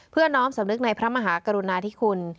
น้อมสำนึกในพระมหากรุณาธิคุณ